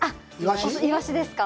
イワシですか？